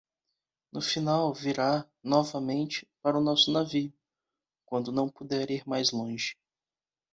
No final, virá, novamente, para o nosso navio, quando não puder ir mais longe.